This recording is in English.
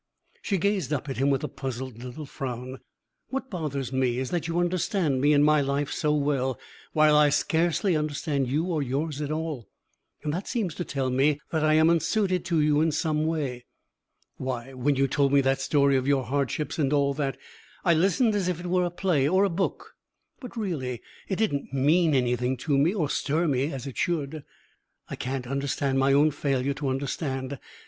She gazed up at him with a puzzled little frown. "What bothers me is that you understand me and my life so well, while I scarcely understand you or yours at all. That seems to tell me that I am unsuited to you in some way. Why, when you told me that story of your hardships and all that, I listened as if it were a play or a book, but really it didn't mean anything to me or stir me as it should. I can't understand my own failure to understand.